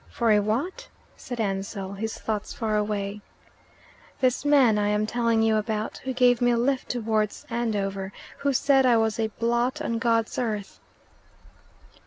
"For a what?" said Ansell, his thoughts far away. "This man I am telling you about, who gave me a lift towards Andover, who said I was a blot on God's earth."